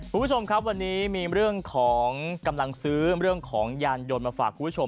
คุณผู้ชมครับวันนี้มีเรื่องของกำลังซื้อเรื่องของยานยนต์มาฝากคุณผู้ชม